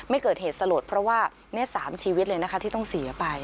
เกิดเหตุสลดเพราะว่า๓ชีวิตเลยนะคะที่ต้องเสียไป